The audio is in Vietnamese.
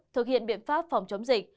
thực hiện biện pháp phòng chống dịch